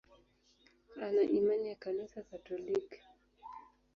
Ana imani ya Kanisa Katoliki.